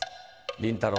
りんたろー。